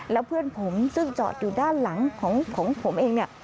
แล้วเพื่อนผมซึ่งจอดอยู่ด้านหลังของผมเองเนี่ย